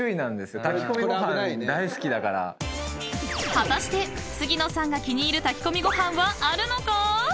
［果たして杉野さんが気に入る炊き込みご飯はあるのか？］